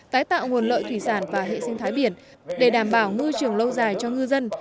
tái tạo nguồn lợi thủy sản và hệ sinh thái biển để đảm bảo môi trường lâu dài cho ngư dân